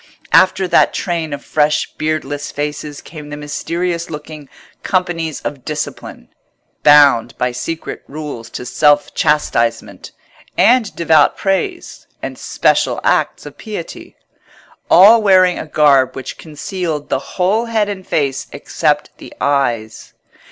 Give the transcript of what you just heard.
After that train of fresh beardless faces came the mysterious looking Companies of Discipline, bound by secret rules to self chastisement, and devout praise, and special acts of piety; all wearing a garb which concealed the whole head and face except the eyes.